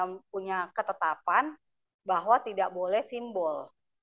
kita punya ketetapan bahwa tidak boleh simbol